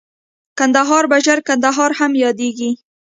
کندهار په ژړ کندهار هم ياديږي.